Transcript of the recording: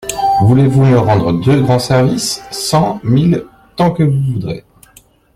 Voulez-vous me rendre deux grands services ? Cent, mille, tant que vous voudrez.